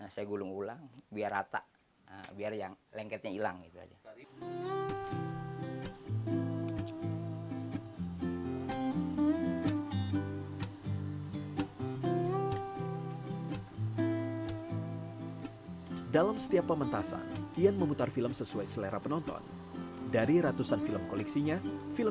sungguh banyak yellow smile yangvityle